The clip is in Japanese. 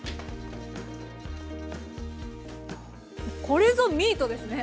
これぞミートですね！